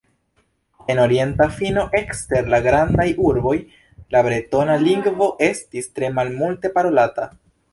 En orienta fino, ekster la grandaj urboj, la bretona lingvo estis tre malmulte parolata.